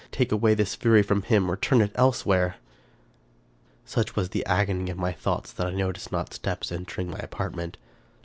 take away this fury from him, or turn it elsewhere !" Such was the agony of my thoughts that I noticed not steps entering my apartment.